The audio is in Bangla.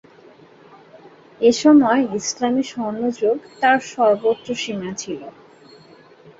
এসময় ইসলামি স্বর্ণযুগ তার সর্বোচ্চ সীমায় ছিল।